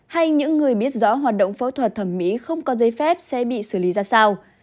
hay những người biết rõ hoạt động phẫu thuật thẩm mỹ không có giấy phép sẽ bị xử lý ra sao